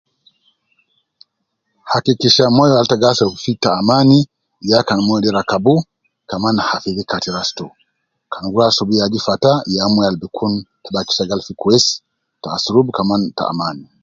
Hakikisha moyo al ta gi asurub fi ta amani ya kan moyo de rakabu, kan kaman hafidh Kati ras to, kan gi rua asurubu gi gata, ya moyo al bi hakikisha gal fi kwesi te asurubu wu kaman te amani